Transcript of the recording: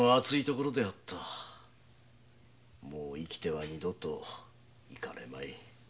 もう生きては二度と行かれまい。